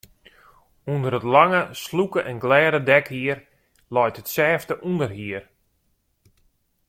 Under it lange, slûke en glêde dekhier leit it sêfte ûnderhier.